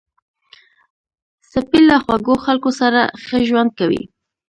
سپي له خوږو خلکو سره ښه ژوند کوي.